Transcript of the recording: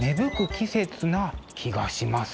季節な気がします。